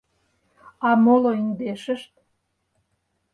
А моло индешышт?